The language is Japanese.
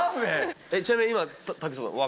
ちなみに今。